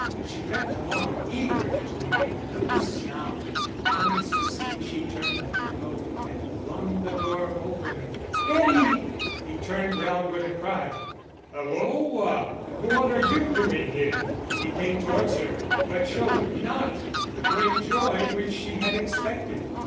She crept along, eager to make no sound; noiselessly she turned the handle and flung the door open. "Eddie!" He turned round with a cry. "Hulloa, what are you doing here?" He came towards her, but showed not the great joy which she had expected.